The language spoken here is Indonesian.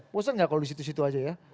bosan nggak kalau di situ situ aja ya